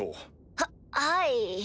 ははい。